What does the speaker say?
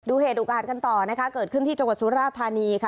เหตุอุกอาจกันต่อนะคะเกิดขึ้นที่จังหวัดสุราธานีค่ะ